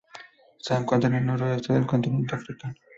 Se encuentra en el noroeste del continente africano.